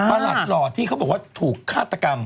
หลัดหล่อที่เขาบอกว่าถูกฆาตกรรม